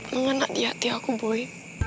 mengena di hati aku bui